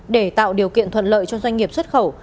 để tạo điều kiện thuận lợi cho doanh nghiệp xuất khẩu